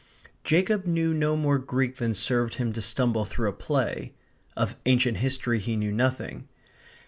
Jacob knew no more Greek than served him to stumble through a play. Of ancient history he knew nothing.